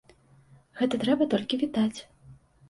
Гэта трэба толькі вітаць.